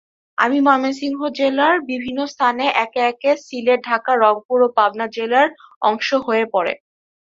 আদি ময়মনসিংহ জেলার বিভিন্ন স্থান একে একে সিলেট, ঢাকা, রংপুর ও পাবনা জেলার অংশ হয়ে পড়ে।